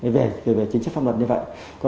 về chính chức pháp luật